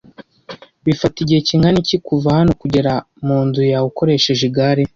Bifata igihe kingana iki kuva hano kugera munzu yawe ukoresheje igare?